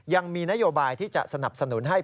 ยังมีนโยบายที่จะสนับสนุนให้